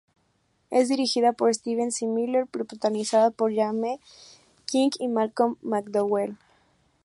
Es dirigida por Steven C. Miller y protagonizada por Jaime King y Malcolm McDowell.